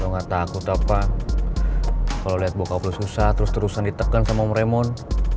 lo gak takut apa apa kalo liat bokap lo susah terus terusan diteken sama om raymond